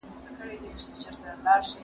کروندګر او مالدار کوم ډول ژوند لري؟